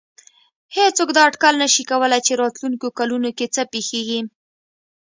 هېڅوک دا اټکل نه شي کولای چې راتلونکو کلونو کې څه پېښېږي.